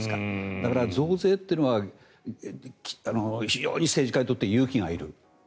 だから、増税というのは非常に政治家にとって勇気がいる。